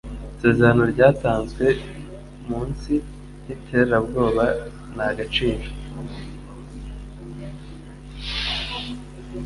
Isezerano ryatanzwe munsi yiterabwoba ntagaciro.